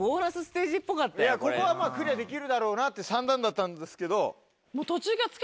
ここはクリアできるだろうなって算段だったんですけど。